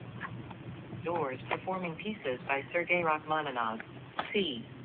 Yazdanian adores performing pieces by Sergei Rachmaninov.